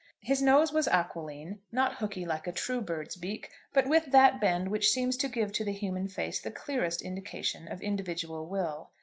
His nose was aquiline, not hooky like a true bird's beak, but with that bend which seems to give to the human face the clearest indication of individual will.